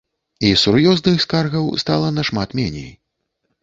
І сур'ёзных скаргаў стала нашмат меней.